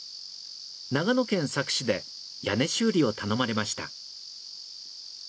長野県佐久市で屋根修理を頼まれました。